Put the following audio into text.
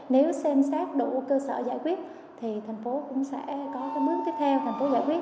nếu xem xét đủ cơ sở giải quyết thì thành phố cũng sẽ có cái bước tiếp theo thành phố giải quyết